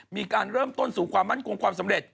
มีการเริ่มต้นสู่ความมั่นคงความสำเร็จ